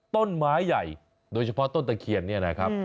ต้นไม้ใหญ่โดยเฉพาะต้นตะเคียนเนี่ยนะครับ